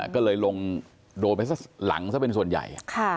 ก็เลยลงโดนไปสักหลังซะเป็นส่วนใหญ่